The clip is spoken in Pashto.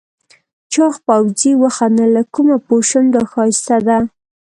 چاغ پوځي وخندل له کومه پوه شم دا ښایسته ده؟